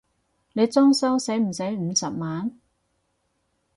你裝修駛唔駛五十萬？